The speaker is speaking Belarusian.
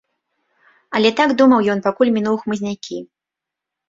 Але так думаў ён, пакуль мінуў хмызнякі.